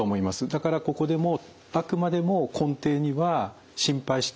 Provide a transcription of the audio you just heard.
だからここでもあくまでも根底には「心配している」。